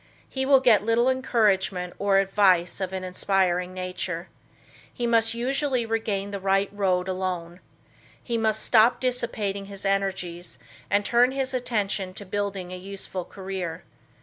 He will get little encouragement or advice of an inspiring nature. He must usually regain the right road alone. He must stop dissipating his energies and turn his attention to building a useful career.